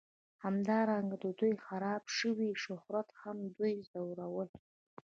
همدارنګه د دوی خراب شوي شهرت هم دوی ځورول